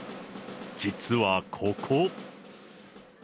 実はここ。